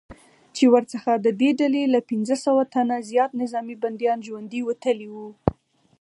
چې ورڅخه ددې ډلې له پنځه سوه تنه زیات نظامي بندیان ژوندي وتلي وو